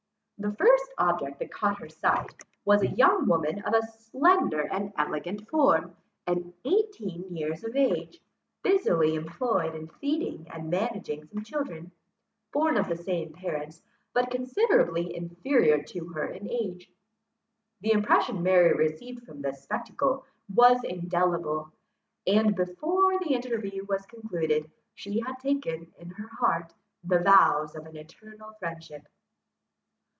The first object that caught her sight, was a young woman of a slender and elegant form, and eighteen years of age, busily employed in feeding and managing some children, born of the same parents, but considerably inferior to her in age. The impression Mary received from this spectacle was indelible; and, before the interview was concluded, she had taken, in her heart, the vows of an eternal friendship.